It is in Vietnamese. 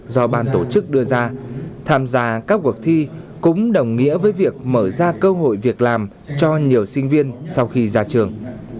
do ban tổ chức đưa ra tham gia các cuộc thi cũng đồng nghĩa với việc mở ra cơ hội việc làm cho nhiều sinh viên sau khi ra trường